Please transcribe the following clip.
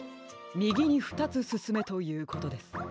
みぎにふたつすすめということです。